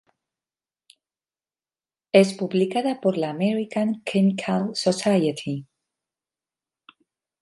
Es publicada por la American Chemical Society.